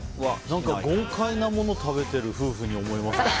何か豪快なものを食べてる夫婦に思えますね。